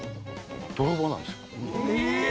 泥棒なんですよ。